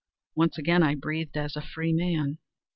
Once again I breathed as a freeman.